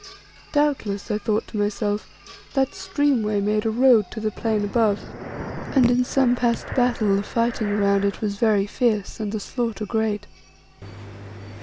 Doubtless, I thought to myself, that streamway made a road to the plain above, and in some past battle, the fighting around it was very fierce and the slaughter great.